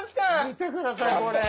見てくださいこれ。